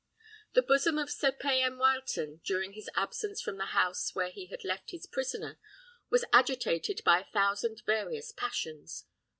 The bosom of Sir Payan Wileton, during his absence from the house where he had left his prisoner, was agitated by a thousand various passions.